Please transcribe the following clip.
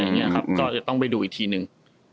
ก็จะต้องไปดูอีกทีนึง